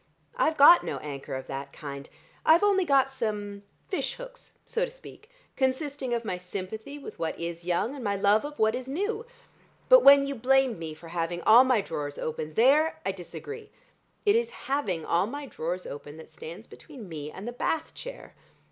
I've got no anchor of that kind; I've only got some fish hooks, so to speak, consisting of my sympathy with what is young, and my love of what is new. But when you blame me for having all my drawers open, there I disagree. It is having all my drawers open that stands between me and the bath chair.